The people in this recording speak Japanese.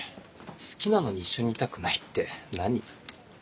好きなのに一緒にいたくないって何？